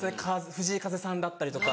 藤井風さんだったりとか。